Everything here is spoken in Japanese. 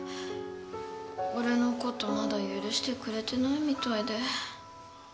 俺のことまだ許してくれてないみたいで。